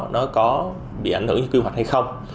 nó có bị ảnh hưởng như quy hoạch hay không